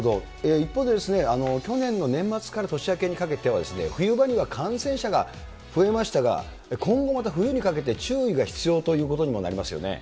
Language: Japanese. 一方で、去年の年末から年明けにかけては冬場には感染者が増えましたが、今後もまた冬にかけて注意が必要ということにもなりますよね？